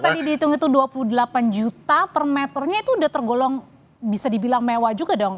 tadi dihitung itu dua puluh delapan juta per meternya itu udah tergolong bisa dibilang mewah juga dong